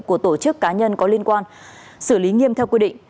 của tổ chức cá nhân có liên quan xử lý nghiêm theo quy định